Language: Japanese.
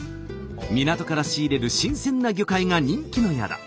港から仕入れる新鮮な魚介が人気の宿。